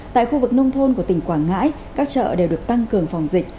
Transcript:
tại khu vực nông thôn của tỉnh quảng ngãi các chợ đều được tăng cường phòng dịch